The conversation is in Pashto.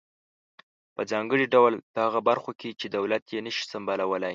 په ځانګړي ډول په هغه برخو کې چې دولت یې نشي سمبالولای.